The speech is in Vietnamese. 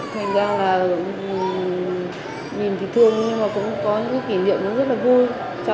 thành ra là nhìn thì thương nhưng mà cũng có những kỷ niệm rất là vui